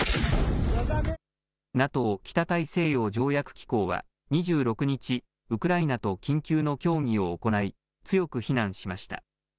ＮＡＴＯ・北大西洋条約機構は２６日、ウクライナと緊急の協議を行い、強く非難しました。